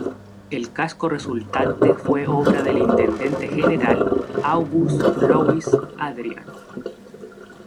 El casco resultante fue obra del Intendente-General August-Louis Adrian.